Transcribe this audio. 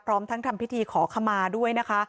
พร้อมทั้งทำพิธีขอขมาด้วยนะคะ